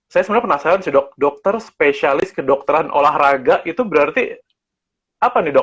saya sebenarnya penasaran sih dok dokter spesialis kedokteran olahraga itu berarti apa nih dok